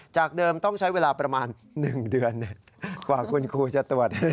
จากเดิมต้องใช้เวลาประมาณ๑เดือนกว่าคุณครูจะตรวจ